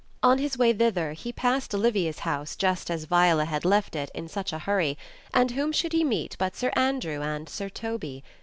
On his way thither he passed Olivia's house just as Viola had left it in such a hurry, and whom should he meet but Sir Andrew and Sir Toby?